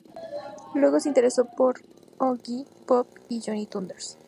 Luego se interesó por Iggy Pop y Johnny Thunders.